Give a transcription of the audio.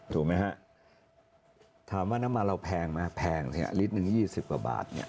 ถูกไหมฮะถามว่าน้ำมันเราแพงไหมแพงเนี่ยลิตรหนึ่ง๒๐กว่าบาทเนี่ย